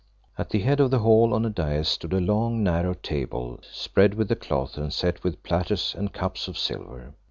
At the head of the hall on a dais stood a long, narrow table, spread with a cloth and set with platters and cups of silver.